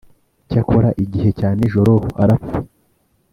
Cyakora igihe cya nijoro arapfa,